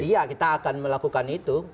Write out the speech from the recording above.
iya kita akan melakukan itu